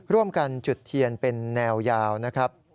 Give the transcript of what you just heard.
ร่วมกันจุดเทียนเป็นแนวยาวนะครับ